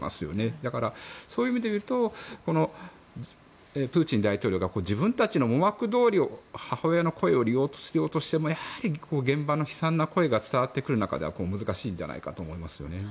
だから、そういう意味だとプーチン大統領が自分たちの思惑どおり母親の声を利用しようとしても現場の悲惨な声が伝わってくる中では難しいんじゃないかと思います。